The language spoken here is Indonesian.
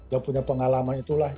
yang punya pengalaman itulah